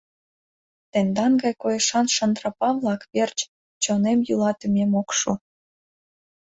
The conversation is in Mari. — Тендан гай койышан шантрапа-влак верч чонем йӱлатымем ок шу.